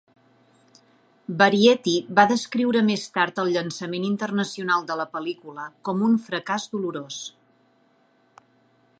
"Variety" va descriure més tard el llançament internacional de la pel·lícula com a un "fracàs dolorós".